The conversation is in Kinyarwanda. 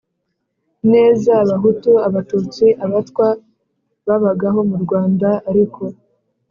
neza Abahutu Abatutsi Abatwa babagaho mu Rwanda ariko